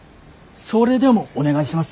それでもお願いします。